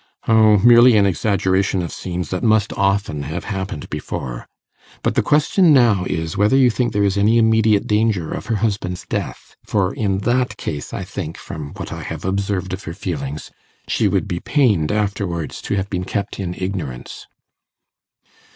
'O, merely an exaggeration of scenes that must often have happened before. But the question now is, whether you think there is any immediate danger of her husband's death; for in that case, I think, from what I have observed of her feelings, she would be pained afterwards to have been kept in ignorance.